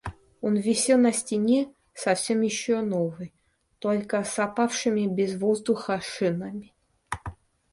Он висел на стене, совсем еще новый, только с опавшими без воздуха шинами.